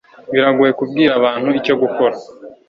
Biragoye kubwira abantu icyo gukora